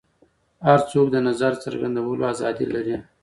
هر څوک د نظر څرګندولو ازادي لري.